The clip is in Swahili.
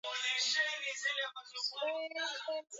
Dakika ya hamsini na moja zikiwa zimekatika na hakuna